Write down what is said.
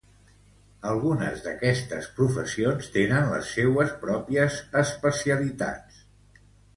Algunes d'estes professions tenen les seues pròpies especialitats.